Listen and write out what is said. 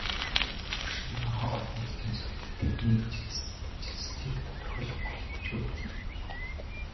Оршин байгаа "олон нийтийн соёл" тэдний ижилслийг тодорхойлох гол хэмжүүр болно.